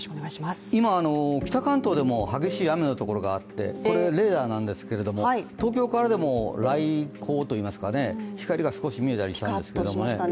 今、北関東でも激しい雨のところがあってレーダーなんですけれども、東京からでも雷光というか光が少し見えたりしたんですけどもね。